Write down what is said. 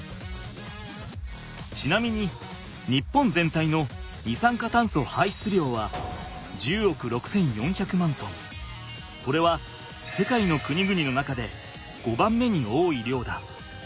ちなみに日本全体の二酸化炭素排出量はこれは世界の国々の中で５番目に多い量だ。